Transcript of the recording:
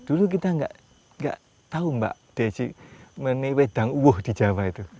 dulu kita nggak tahu mbak desi meniwedang uuh di jawa itu